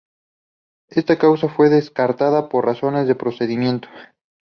Esta causa fue descartada por razones de procedimiento.